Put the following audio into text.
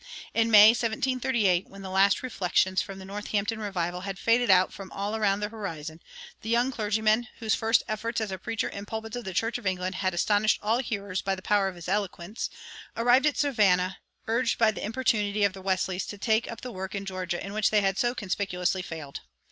In May, 1738, when the last reflections from the Northampton revival had faded out from all around the horizon, the young clergyman, whose first efforts as a preacher in pulpits of the Church of England had astonished all hearers by the power of his eloquence, arrived at Savannah, urged by the importunity of the Wesleys to take up the work in Georgia in which they had so conspicuously failed.